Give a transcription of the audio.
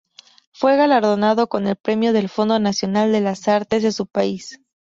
Fue galardonado con el Premio del Fondo Nacional de las Artes de su país.